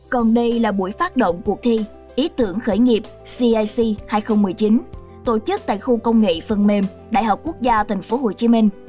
còn đây là buổi phát động cuộc thi ý tưởng khởi nghiệp cic hai nghìn một mươi chín tổ chức tại khu công nghệ phần mềm đại học quốc gia tp hcm